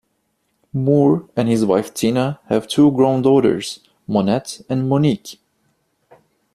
Moore and his wife Tina have two grown daughters, Monette and Monique.